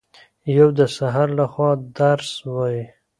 یو د سحر لخوا درس وايي